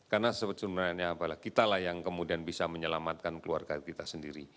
karena sebenarnya apalah kitalah yang kemudian bisa menyelamatkan keluarga kita sendiri